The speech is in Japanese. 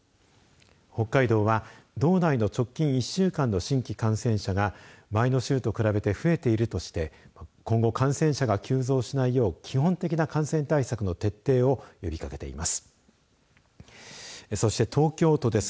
北海道は、道内の直近１週間の新規感染者が前の週と比べて増えているとして今後、感染者が急増しないよう基本的な感染対策の徹底を呼びかけています。